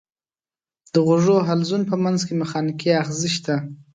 د غوږ حلزون په منځ کې مېخانیکي آخذې شته.